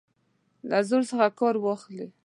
له زور څخه کار واخلي.